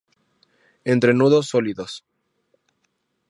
Entrenudos sólidos.